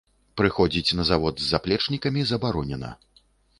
Прыходзіць на завод з заплечнікамі забаронена.